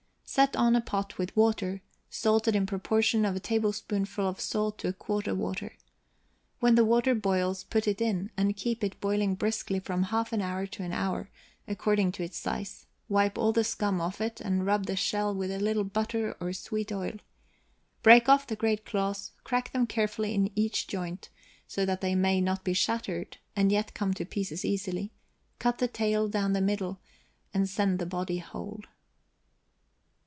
Set on a pot with water, salted in proportion of a tablespoonful of salt to a quart of water. When the water boils, put it in, and keep it boiling briskly from half an hour to an hour, according to its size; wipe all the scum off it, and rub the shell with a little butter or sweet oil, break off the great claws, crack them carefully in each joint, so that they may not be shattered, and yet come to pieces easily, cut the tail down the middle, and send the body whole.